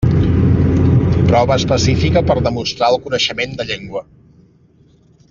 Prova específica per demostrar el coneixement de llengua.